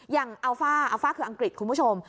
อัลฟ่าอัลฟ่าคืออังกฤษคุณผู้ชม